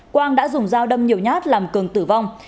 quang đã dùng dao đâm nhiều nhát làm cường tử vong